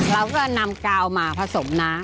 เราก็นำกาวมาผสมนะ